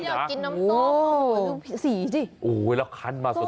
อยากกินน้ำส้มโอ้โหดูผีสิโอ้ยแล้วคันมาสด